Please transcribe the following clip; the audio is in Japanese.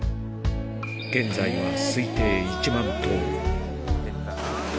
現在は推定１万頭。